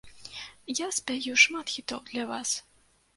Я спяю шмат хітоў для вас.